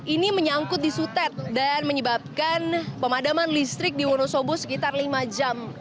ini menyangkut di sutet dan menyebabkan pemadaman listrik di wonosobo sekitar lima jam